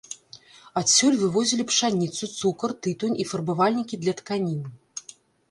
Адсюль вывозілі пшаніцу, цукар, тытунь і фарбавальнікі для тканін.